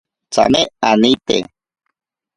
Tsame anite.